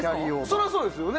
そりゃそうですよね。